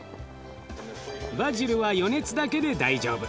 バジルは余熱だけで大丈夫。